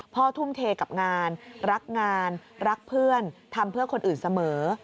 ทุ่มเทกับงานรักงานรักเพื่อนทำเพื่อคนอื่นเสมอ